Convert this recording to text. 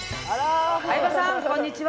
相葉さんこんにちは。